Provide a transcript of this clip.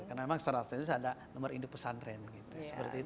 karena memang secara asli ada nomor induk pesantren gitu